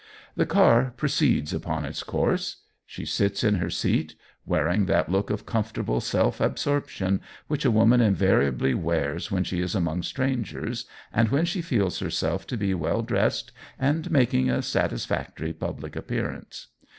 The car proceeds upon its course. She sits in her seat, wearing that look of comfortable self absorption which a woman invariably wears when she is among strangers, and when she feels herself to be well dressed and making a satisfactory public appearance.